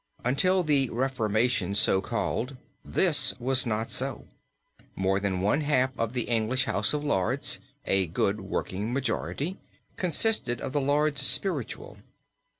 Until the reformation so called this was not so. More than one half of the English House of Lords, a good working majority, consisted of the Lords spiritual.